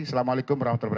assalamualaikum wr wb